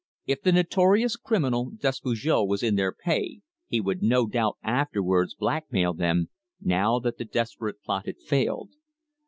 If the notorious criminal Despujol was in their pay he would no doubt afterwards blackmail them, now that the desperate plot had failed.